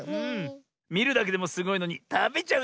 みるだけでもすごいのにたべちゃうなんてね！